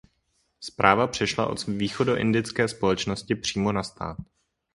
Správa přešla od východoindické společnosti přímo na stát.